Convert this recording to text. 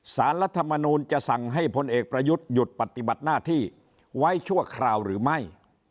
รัฐมนูลจะสั่งให้พลเอกประยุทธ์หยุดปฏิบัติหน้าที่ไว้ชั่วคราวหรือไม่